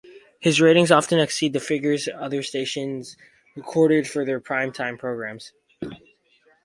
His ratings often exceeded the figures other stations recorded for their prime time programs.